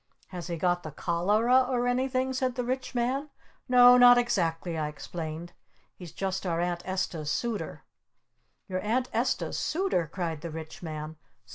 "Has he got the Cholera or anything?" said the Rich Man. "No, not exactly," I explained. "He's just our Aunt Esta's Suitor!" "Your Aunt Esta's Suitor?" cried the Rich Man.